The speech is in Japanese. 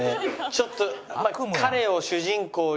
ちょっと。